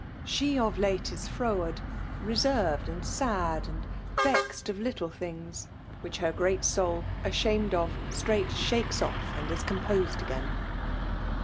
She, of late, is firowftrd, Raezved «nd tad, and vexed at little things ; Wh'icli Imt great soul, ashamed of, strait shakes off, And IS composed again.